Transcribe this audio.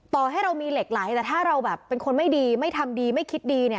ต่อให้เรามีเหล็กไหลแต่ถ้าเราแบบเป็นคนไม่ดีไม่ทำดีไม่คิดดีเนี่ย